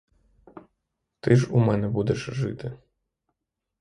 Ти ж у мене будеш жити.